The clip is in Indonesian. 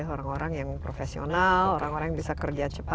orang orang yang profesional orang orang yang bisa kerja cepat